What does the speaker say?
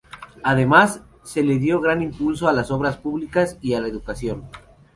Además, se le dio gran impulso a las obras públicas y a la educación.